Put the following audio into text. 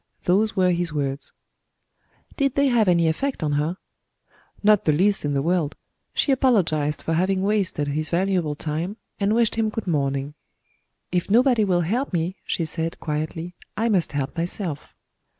Those were his words." "Did they have any effect on her?" "Not the least in the world. She apologized for having wasted his valuable time, and wished him good morning. 'If nobody will help me,' she said, quietly, 'I must help myself.'